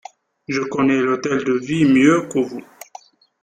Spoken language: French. Je connais l'Hôtel de Ville mieux que vous!